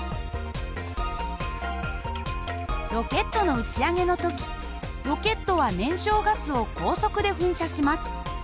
ロケットの打ち上げの時ロケットは燃焼ガスを高速で噴射します。